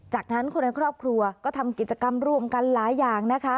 จากนั้นคนในครอบครัวก็ทำกิจกรรมร่วมกันหลายอย่างนะคะ